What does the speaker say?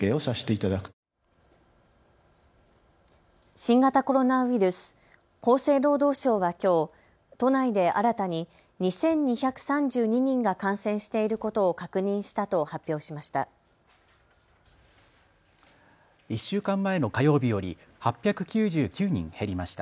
新型コロナウイルス、厚生労働省はきょう都内で新たに２２３２人が感染していることを確認したと発表しました。